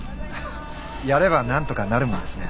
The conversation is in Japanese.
やればなんとかなるもんですね。